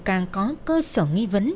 càng có cơ sở nghi vấn